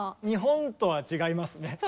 日本とは違いますね。